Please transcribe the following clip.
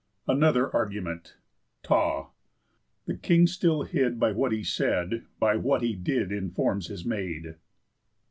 ANOTHER ARGUMENT Ταυ̑. The King still hid By what he said; By what he did Informs his maid.